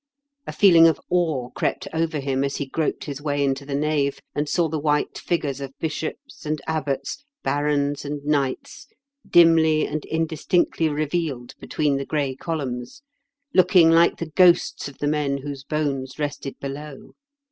A feeling of awe crept over him as he groped his way into the nave, and saw the white figures of bishops and abbots, barons and knights, dimly and indistinctly revealed between the gray columns, looking like the ghosts of the men whose bones rested below.